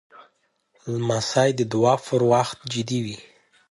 لمسی د دعا پر وخت جدي وي.